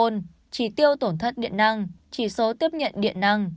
trí tiêu tổn thất điện năng trí số tiếp nhận điện năng